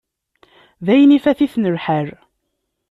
Dayen, ifat-iten lḥal.